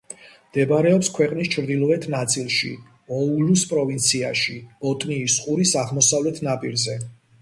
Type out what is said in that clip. მდებარეობს ქვეყნის ჩრდილოეთ ნაწილში, ოულუს პროვინციაში, ბოტნიის ყურის აღმოსავლეთ ნაპირზე.